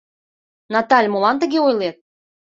Наталь, молан тыге ойлет?